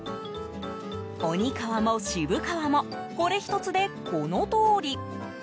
鬼皮も渋皮もこれ１つで、このとおり。